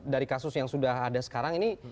dari kasus yang sudah ada sekarang ini